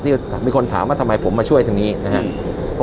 ที่มีคนถามว่าทำไมผมมาช่วยทางนี้นะครับ